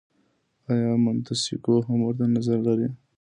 آیا منتسکیو هم ورته نظر درلود؟